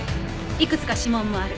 いくつか指紋もある。